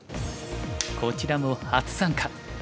こちらも初参加。